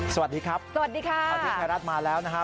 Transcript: สวัสดีครับสวัสดีค่ะตอนนี้ไทยรัฐมาแล้วนะฮะ